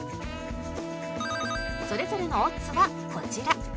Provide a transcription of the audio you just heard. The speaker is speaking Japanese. それぞれのオッズはこちら